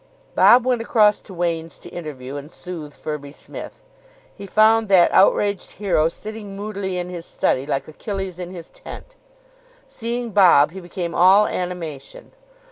Bob went across to Wain's to interview and soothe Firby Smith. He found that outraged hero sitting moodily in his study like Achilles in his tent. Seeing Bob, he became all animation.